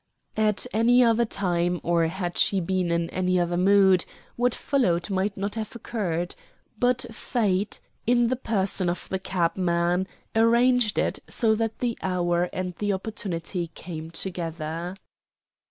At any other time, or had she been in any other mood, what followed might not have occurred, but Fate, in the person of the cabman, arranged it so that the hour and the opportunity came together.